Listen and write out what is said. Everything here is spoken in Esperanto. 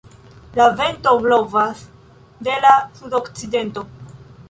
La vento blovas de la sudokcidento.